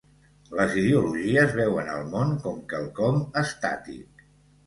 Les ideologies veuen el món com quelcom estàtic.